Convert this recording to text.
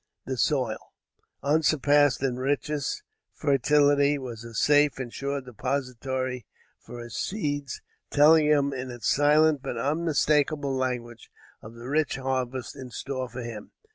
The soil, unsurpassed in richness and fertility, was a safe and sure depository for his seeds, telling him, in its silent, but unmistakable language, of the rich harvest in store for him.